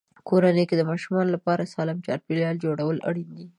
کورنۍ کې د ماشومانو لپاره سالم چاپېریال جوړول اړین دي.